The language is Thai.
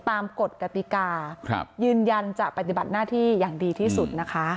กฎกติกายืนยันจะปฏิบัติหน้าที่อย่างดีที่สุดนะคะ